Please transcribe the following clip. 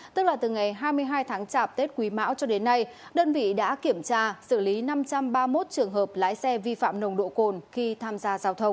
tức là từ ngày hai mươi hai tháng chạp tết quý mão cho đến nay đơn vị đã kiểm tra xử lý năm trăm ba mươi một trường hợp lái xe vi phạm nồng độ cồn khi tham gia giao thông